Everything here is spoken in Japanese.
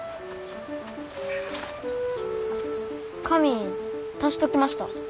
紙足しときました。